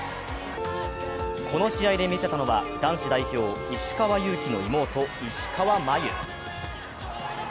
この試合で見せたのは男子代表、石川祐希の妹、石川真佑。